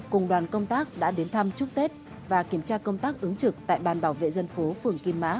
cùng đoàn công tác đã đến thăm chúc tết và kiểm tra công tác ứng trực tại bàn bảo vệ dân phố phường kim mã